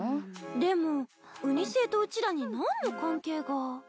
でもウニ星とうちらに何の関係が。